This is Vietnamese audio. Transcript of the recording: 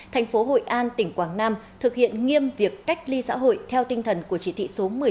thành phố hội an tỉnh quảng nam thực hiện nghiêm việc cách ly xã hội theo tinh thần của chỉ thị số một mươi năm